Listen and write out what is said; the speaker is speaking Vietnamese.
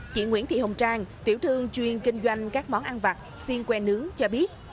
chị nguyễn thị hồng trang tiểu thương chuyên kinh doanh các món ăn vặt xiên que nướng cho biết